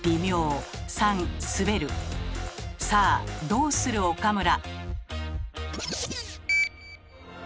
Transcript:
さあどうする岡村。